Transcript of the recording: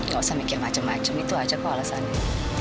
gak usah mikir macem macem itu aja kok alasannya